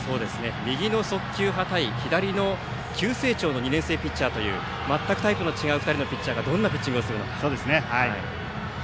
右の速球派対左の急成長の２年生ピッチャーという全くタイプの違う、２人のピッチャーがどんなピッチングをするのか。